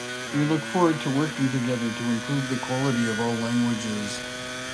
We look forward to working together to improve the quality of all languages!